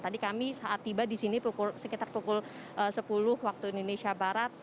tadi kami saat tiba di sini sekitar pukul sepuluh waktu indonesia barat